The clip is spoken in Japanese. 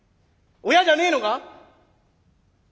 親じゃねえのか？